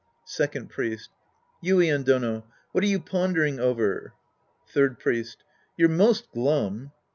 Second Priest. Yuien Dono. What are you pon dering over ? Third Priest. You're most glum.